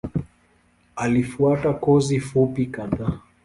Alifuata kozi fupi kadhaa.